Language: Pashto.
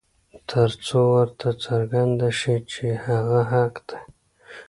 تر څو ورته څرګنده شي چې هغه حق دى.